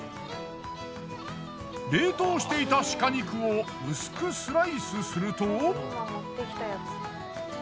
冷凍していた鹿肉を薄くスライスすると。